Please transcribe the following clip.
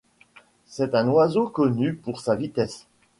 C'est un oiseau connu pour sa vitesse.